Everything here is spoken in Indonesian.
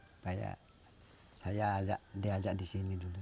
supaya saya diajak disini dulu